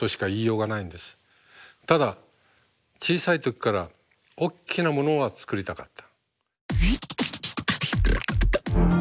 ただ小さい時からおっきなものは作りたかった。